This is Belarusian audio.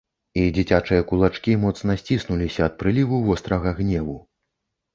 І дзіцячыя кулачкі моцна сціснуліся ад прыліву вострага гневу.